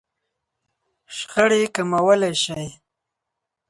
-شخړې کموالی شئ